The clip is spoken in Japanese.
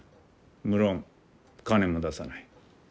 無論金も出さない。